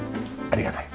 ありがたい。